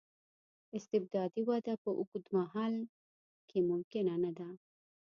استبدادي وده په اوږد مهال کې ممکنه نه ده.